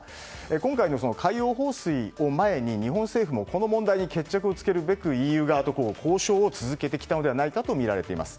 今回の海洋放水を前に日本政府もこの問題に決着をつけるべく、ＥＵ側と交渉を続けてきたのではないかとみられています。